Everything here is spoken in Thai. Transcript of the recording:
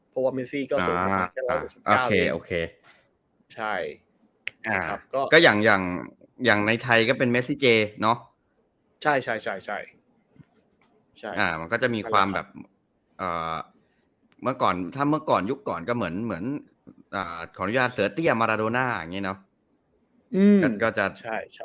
เพราะว่าเกลียดศูนย์เป็น๑๗๙๑๕๐ซึ่งนักเห็นใจ